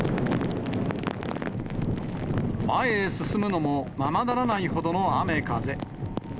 前へ進むのもままならないほどの雨風。